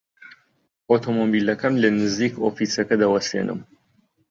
ئۆتۆمۆمبیلەکەم لە نزیک ئۆفیسەکە دەوەستێنم.